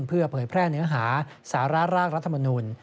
เพื่อเผยแพร่เนื้อหาสาระร่างรัฐมนุน